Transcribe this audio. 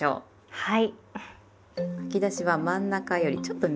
はい。